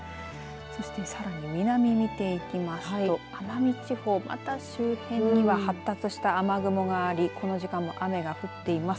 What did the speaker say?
そしてさらに南、見ていきますと奄美地方また周辺には発達した雨雲がありこの時間雨が降っています。